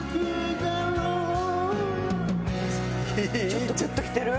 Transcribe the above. ちょっとグッときてる？